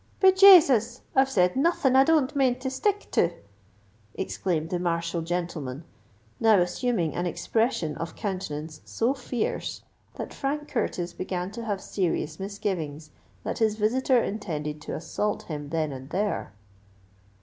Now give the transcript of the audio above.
"Be Jasus! I've said nothing I don't mane to stick to!" exclaimed the martial gentleman, now assuming an expression of countenance so fierce that Frank Curtis began to have serious misgivings that his visitor intended to assault him then and there.